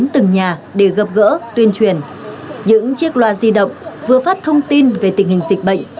từng nhà để gặp gỡ tuyên truyền những chiếc loa di động vừa phát thông tin về tình hình dịch bệnh